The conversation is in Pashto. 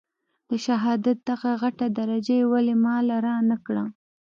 د شهادت دغه غټه درجه يې ولې ما له رانه کړه.